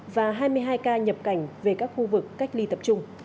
và hai mươi hai ca nhập cảnh về các khu vực cách ly tập trung